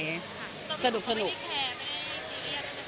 มันก็เป็นความสุขเล็กน้อยของป้าเนาะ